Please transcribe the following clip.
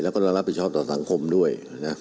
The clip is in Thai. แล้วก็รับผิดชอบต่อสังคมด้วยนะ